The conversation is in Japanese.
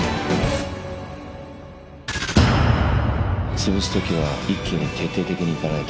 潰すときは一気に徹底的にいかないと。